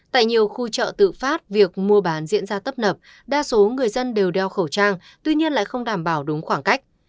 tại nhiều khu chợ tự phát việc mua bán diễn ra tấp nập đa số người dân đều đeo khẩu trang tuy nhiên lại không đảm bảo đúng khoảng cách